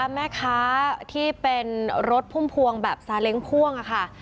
แม่ค้าที่เป็นรถพุ่มพวงแบบซาเล้งพ่วงค่ะ